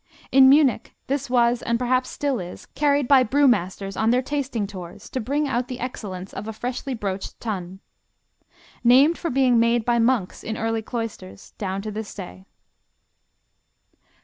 In Munich this was, and perhaps still is, carried by brew masters on their tasting tours "to bring out the excellence of a freshly broached tun." Named from being made by monks in early cloisters, down to this day.